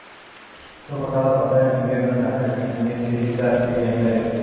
Fue forzado a pasar el invierno en la canadiense isla Ellesmere.